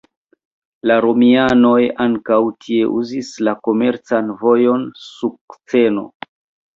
La romianoj ankaŭ tie uzis la komercan vojon "Sukceno".